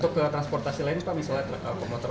untuk transportasi lain pak misalnya komputer lain